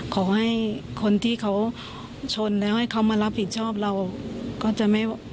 ขอให้คนที่เขาชนแล้วให้เขามารับผิดชอบเราก็จะไม่